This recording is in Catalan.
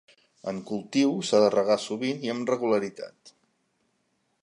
En cultiu, s'ha de regar sovint i amb regularitat.